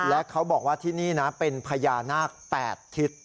และเขาบอกว่าที่นี่นะเป็นพญานาค๘ทิศ